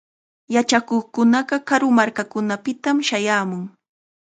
Yachakuqkunaqa karu markakunapitam shayaamun.